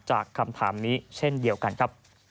คำถามนี้เช่นเดียวกันครับ